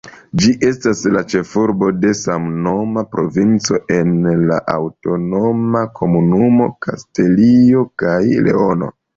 Ĝi estas la ĉefurbo de samnoma provinco en la aŭtonoma komunumo Kastilio kaj Leono.